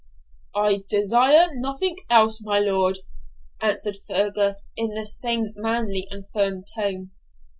'I desire nothing else, my lord,' answered Fergus, in the same manly and firm tone.